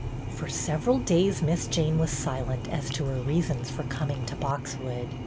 For several days Miss Jane was silent as to her reasons for coming to "Boxwood."